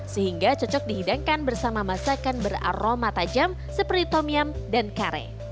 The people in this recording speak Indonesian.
sehingga cocok dihidangkan bersama masakan beraroma tajam seperti tomyam dan kare